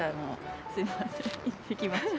すいません行ってきました。